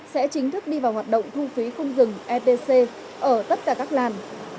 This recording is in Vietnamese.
sẽ chính thức đi vào hoạt động thu phí không dừng etc ở tất cả các làn